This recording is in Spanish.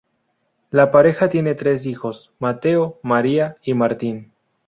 La pareja tiene tres hijos, Mateo, María y Martín.